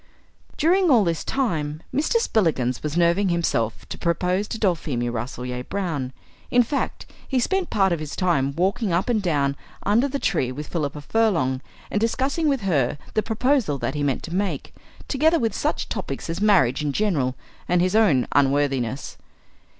During all this time Mr. Spillikins was nerving himself to propose to Dulphemia Rasselyer Brown. In fact, he spent part of his time walking up and down under the trees with Philippa Furlong and discussing with her the proposal that he meant to make, together with such topics as marriage in general and his own unworthiness.